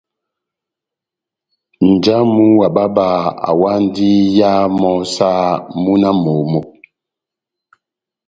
Nja wamu wa bába awandi iya mɔ́ saha múna wa momó.